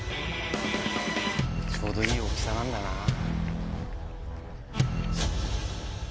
ちょうどいい大きさなんだなぁ。